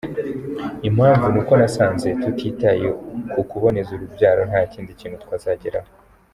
Impamvu ni uko nasanze tutitaye ku kuboneza urubyaro nta kindi kintu twazageraho.